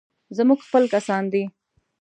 زموږ خپل کسان دي.